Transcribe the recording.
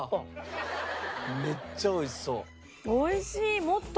めっちゃ美味しそう。